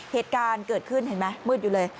เหตุการณ์เกิดขึ้นเห็นไหมมืดอยู่เลย